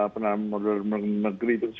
penerbangan negeri itu